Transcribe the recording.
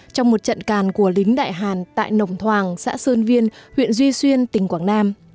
trong một trận càn của lính đại hàn tại nồng thoàng xã sơn viên huyện duy xuyên tỉnh quảng nam